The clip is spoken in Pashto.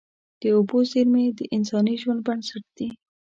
د اوبو زیرمې د انساني ژوند بنسټ دي.